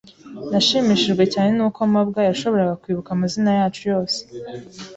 Nashimishijwe cyane nuko mabwa yashoboraga kwibuka amazina yacu yose.